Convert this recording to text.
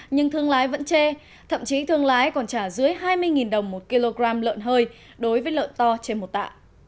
nhưng thương lái vẫn chê thậm chí thương lái còn trả dưới hai mươi đồng một kg lợn hơi đối với lợn to trên một tạ